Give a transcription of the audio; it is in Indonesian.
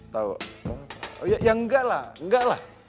tau oh ya enggak lah enggak lah